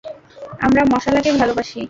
আমরা মশালাকে ভালোবাসি।